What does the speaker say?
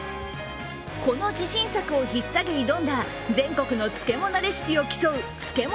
この自信作をひっさげ挑んだ全国の漬物レシピを競う漬物